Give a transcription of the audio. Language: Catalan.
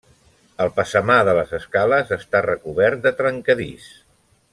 El passamà de les escales està recobert de trencadís.